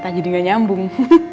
sama kita jadi gak nyambung